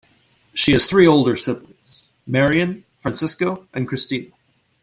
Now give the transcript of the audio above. She has three older siblings; Marian, Francisco and Cristina.